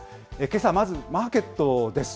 けさ、まずマーケットです。